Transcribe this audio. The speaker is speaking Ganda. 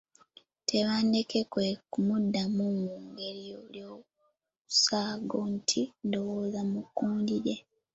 Tebandeke kwe kumuddamu mu ngeri y’olusaago nti Ndowooza mu kkundi lye.